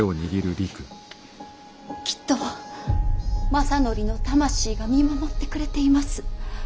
きっと政範の魂が見守ってくれています。